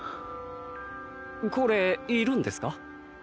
これいるんですか？